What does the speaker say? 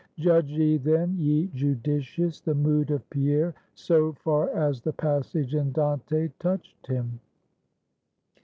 Judge ye, then, ye Judicious, the mood of Pierre, so far as the passage in Dante touched him.